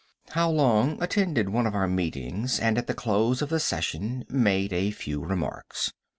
How Long attended one of our meetings and at the close of the session made a few remarks.